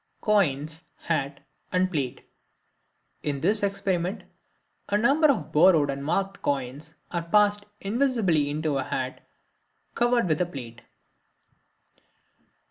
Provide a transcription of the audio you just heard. Coins, Hat, and Plate.—In this experiment a number of borrowed and marked coins are passed invisibly into a hat covered with a plate.